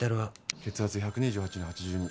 血圧１２８の８２。